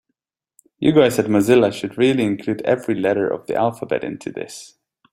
You guys at Mozilla should really include every letter of the alphabet into this.